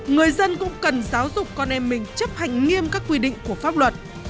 người dân cũng cần giáo dục con em mình chấp hành nghiêm các quy định của pháp luật